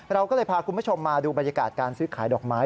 เราก็เลยพาคุณผู้ชมมาดูบรรยากาศการซื้อขายดอกไม้